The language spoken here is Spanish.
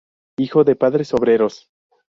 Hijo de padres obreros.